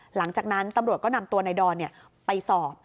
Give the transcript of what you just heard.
หลังจากนั้นตำรวจก็นำตัวนายดอนไปสอบ